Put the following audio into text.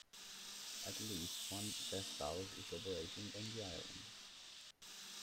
At least one Guesthouse is operating on the island.